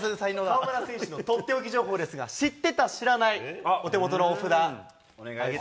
河村選手のとっておき情報ですが、知ってた、知らない、お手元の札、お願いします。